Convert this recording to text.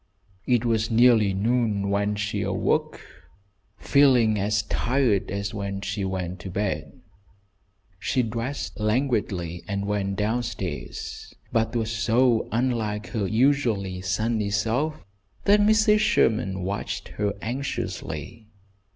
It was nearly noon when she awoke, feeling as tired as when she went to bed. She dressed languidly and went down stairs, but was so unlike her usually sunny self, that Mrs. Sherman watched her anxiously.